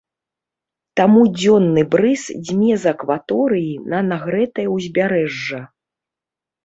Таму дзённы брыз дзьме з акваторыі на нагрэтае ўзбярэжжа.